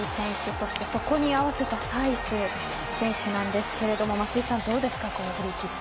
そしてそこに合わせたサイス選手なんですが松井さん、どうですかこのフリーキック。